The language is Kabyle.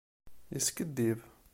Yeskiddib.